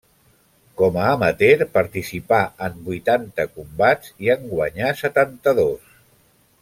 Com a amateur participà en vuitanta combats i en guanyà setanta-dos.